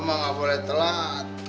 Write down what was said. mak gak boleh telat